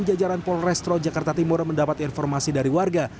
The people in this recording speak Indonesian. jajaran polrestro jakarta timur mendapat informasi dari warga